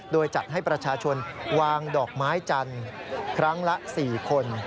โดยจัดให้ประชาชนวางดอกไม้จันทร์ครั้งละ๔คน